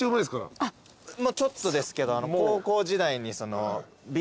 ちょっとですけど。